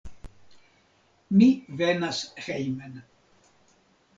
Mi venas hejmen.